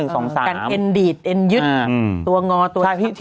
กันเอ็นดีดเอ็นยึดตัวงอตัว